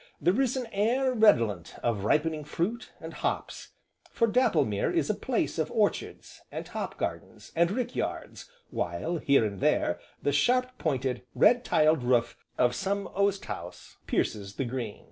There is an air redolent of ripening fruit, and hops, for Dapplemere is a place of orchards, and hop gardens, and rick yards, while, here and there, the sharp pointed, red tiled roof of some oast house pierces the green.